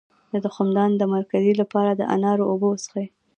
د تخمدان د کمزوری لپاره د انار اوبه وڅښئ